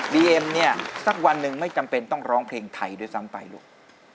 เอ็มเนี่ยสักวันหนึ่งไม่จำเป็นต้องร้องเพลงไทยด้วยซ้ำไปลูก